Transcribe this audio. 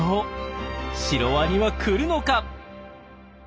シロワニは来るのか？